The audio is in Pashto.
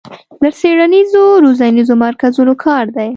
له څېړنیزو روزنیزو مرکزونو کار دی